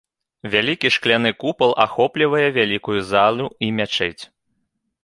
Вялікі шкляны купал ахоплівае вялікую залу і мячэць.